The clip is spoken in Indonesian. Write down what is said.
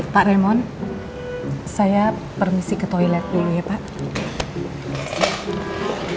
pak remon saya permisi ke toilet dulu ya pak